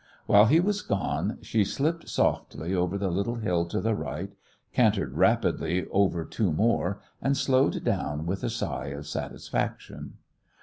While he was gone she slipped softly over the little hill to the right, cantered rapidly over two more, and slowed down with a sigh of satisfaction.